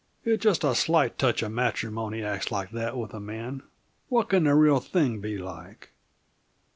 If just a slight touch of matrimony acts like that with a man, what can the real thing be like?